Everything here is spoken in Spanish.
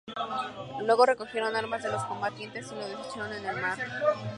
Luego recogieron armas de los combatientes y las desecharon en el mar.